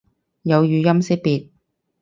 有語音識別